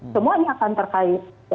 semua ini akan terkait